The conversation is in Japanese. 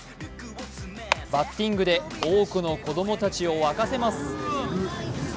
バッティングで多くの子供たちを沸かせます。